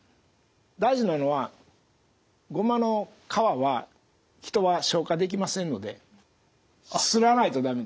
大事なのはごまの皮は人は消化できませんのですらないと駄目です。